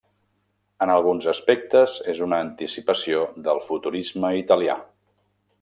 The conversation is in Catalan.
En alguns aspectes és una anticipació del futurisme italià.